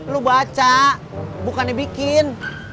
lo baca bukannya bikin